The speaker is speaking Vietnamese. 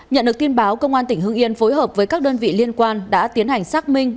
nhận được tin báo công an tp phối hợp với các đơn vị liên quan đã tiến hành xác minh